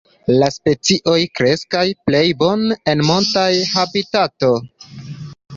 La specioj kreskas plej bone en montaj habitato.